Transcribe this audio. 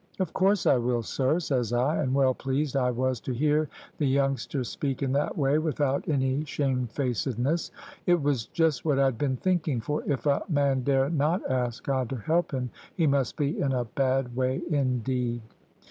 "`Of course, I will, sir,' says I, and well pleased I was to hear the youngster speak in that way without any shamefacedness. It was just what I'd been thinking, for if a man dare not ask God to help him, he must be in a bad way indeed.